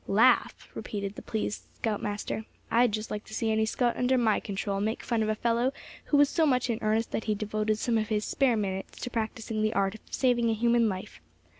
"Laugh!" repeated the pleased scout master; "I'd just like to see any scout under my control make fun of a fellow who was so much in earnest that he devoted some of his spare minutes to practicing the art of saving a human life.